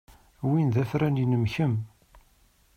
Win d afran-nnem kemm.